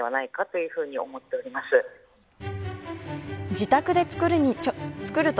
自宅で作ると